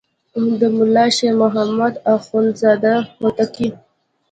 د ملا شیر محمد اخوندزاده هوتکی.